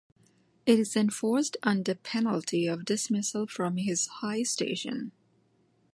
It is enforced under penalty of dismissal from his high station.